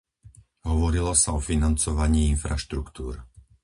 Hovorilo sa o financovaní infraštruktúr.